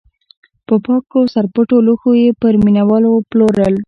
په پاکو سرپټو لوښیو یې پر مینه والو پلورل.